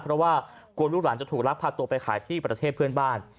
เพราะว่ากลัวลูกหลานจะถูกลักพาตัวไปขายที่ประเทศเพื่อนบ้าน